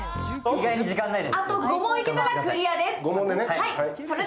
あと５問いけたらクリアです。